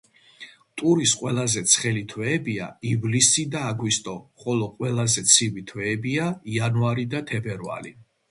ტურის ყველაზე ცხელი თვეებია ივლისი და აგვისტო, ხოლო ყველაზე ცივი თვეებია იანვარი და თებერვალი.